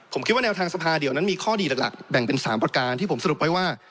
ผมคิดว่าแนวทางสภาเดี๋ยวนั้นมีข้อดีหลักแบ่งเป็น๓ประการที่ผมสรุปไว้ว่า